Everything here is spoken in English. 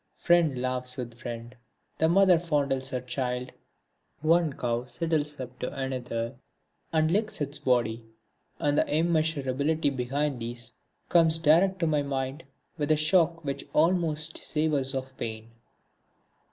Friend laughs with friend, the mother fondles her child, one cow sidles up to another and licks its body, and the immeasurability behind these comes direct to my mind with a shock which almost savours of pain.